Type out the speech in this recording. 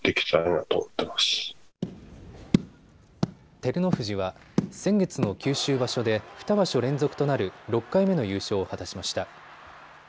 照ノ富士は先月の九州場所で２場所連続となる６回目の優勝を果たしました。